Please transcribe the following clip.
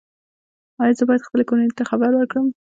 ایا زه باید خپلې کورنۍ ته خبر ورکړم؟